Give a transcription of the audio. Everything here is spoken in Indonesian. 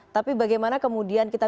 tapi bagaimana kemudian kita